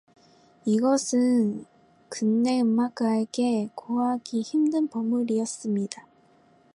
이것은 근대 음악가에게 구하기 힘든 보물이었습니다.